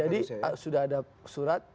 jadi sudah ada surat